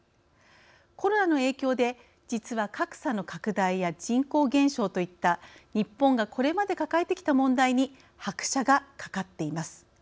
コロナの影響で、実は格差の拡大や、人口減少といった日本がこれまで抱えてきた問題に拍車がかかっています。